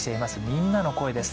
みんなの声です。